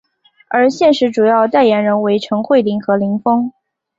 而现时主要代言人为陈慧琳和林峰。